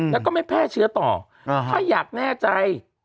แล้วก็ไม่แพร่เชื้อต่อถ้าอยากแน่ใจ